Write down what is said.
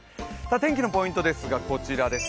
天気のポイントですがこちらです。